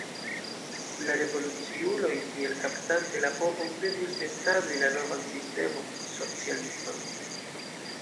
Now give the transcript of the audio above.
La revoluciuloj tiel kaptante la povon devus establi la novan sistemon, socialisman.